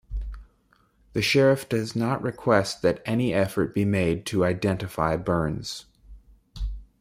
The sheriff does not request that any effort be made to identify Burns.